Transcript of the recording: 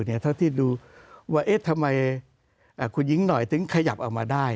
เนี่ยเท่าที่ดูว่าเอ๊ะทำไมอ่าคุณหญิงหน่อยถึงขยับออกมาได้